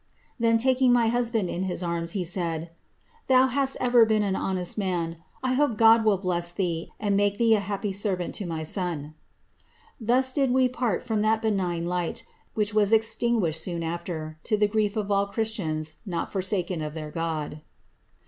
^ Then, taking my husband in his arms, he said, ^ Thon hast em been an honest man ; 1 hope God will bless thee, and make tbes t happy servant to my son.' Thus did we part from that benign light, which was eztinguiilteti soon after, to the grief of all Christians not forsaken of their God."